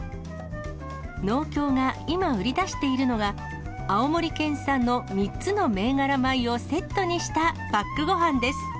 農協が今売り出しているのは、青森県産の３つの銘柄米をセットにしたパックごはんです。